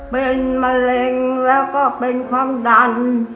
เป็นมะเร็งแล้วก็เป็นความดัน